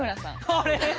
あれ？